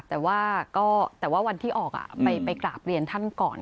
แต่ว่าก็แต่ว่าวันที่ออกไปกราบเรียนท่านก่อน